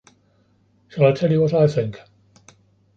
Shall I tell you what I think?